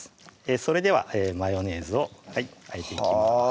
それではマヨネーズを和えていきます